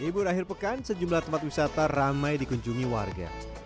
di ibu rakhir pekan sejumlah tempat wisata ramai dikunjungi warga